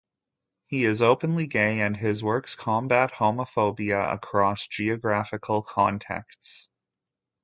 He is openly gay and his works combat homophobia across geographical contexts.